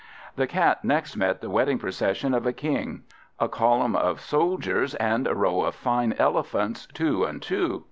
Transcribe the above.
The Cat next met the wedding procession of a King: a column of soldiers, and a row of fine elephants two and two.